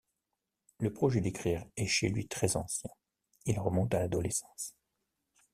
Le projet d'écrire est chez lui très ancien, il remonte à l'adolescence.